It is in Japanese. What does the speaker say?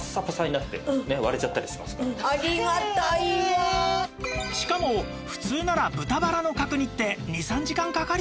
例えばしかも普通なら豚バラの角煮って２３時間かかりますよね